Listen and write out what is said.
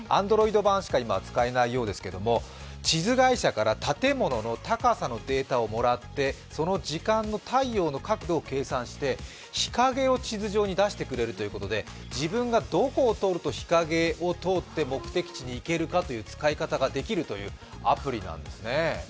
Ａｎｄｒｏｉｄ版しか今は使えないようですけれども、地図会社から建物の高さのデータをもらってその時間の太陽の角度を計算して日陰を地図上に出してくれるということで、自分がどこを通ると日陰を通って目的地に行けるかという使い方ができるというアプリなんですね。